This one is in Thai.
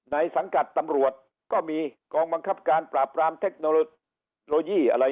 สังกัดตำรวจก็มีกองบังคับการปราบปรามเทคโนโลยีอะไร